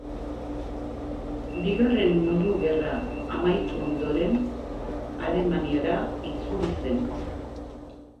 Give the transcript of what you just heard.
Bigarren Mundu Gerra amaitu ondoren, Alemaniara itzuli zen.